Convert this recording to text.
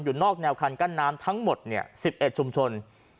นอกแนวคันกั้นน้ำทั้งหมด๑๑ชุมชน